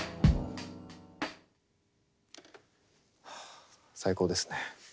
はあ最高ですね。